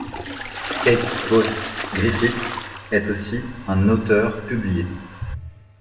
Käte Bosse-Griffiths est aussi un auteur publié.